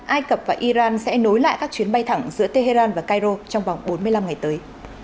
ai cập và iran sẽ nối lại các chuyến bay thẳng giữa tehran và cairo trong vòng bốn mươi năm ngày tới